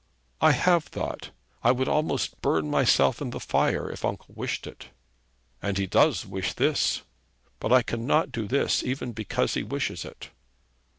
'I have thought. I would almost burn myself in the fire, if uncle wished it.' 'And he does wish this.' 'But I cannot do this even because he wishes it.'